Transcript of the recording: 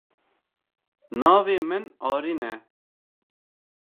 Navê min Arîn e.